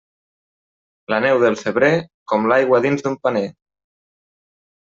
La neu del febrer, com l'aigua dins d'un paner.